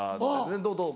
「どうどう？